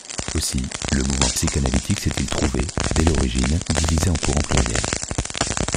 Aussi, le mouvement psychanalytique s'est-il trouvé, dès l'origine, divisé en courants pluriels.